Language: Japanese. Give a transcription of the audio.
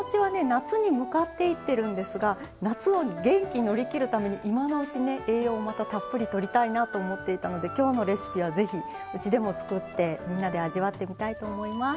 夏に向かっていってるんですが夏を元気に乗り切るために今のうちね栄養をまたたっぷりとりたいなと思っていたのできょうのレシピはぜひうちでも作ってみんなで味わってみたいと思います。